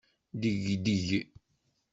Ddegdeg.